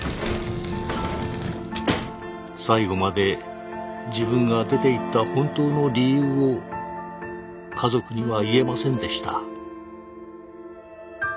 最後まで自分が出ていった本当の理由を家族には言えませんでした。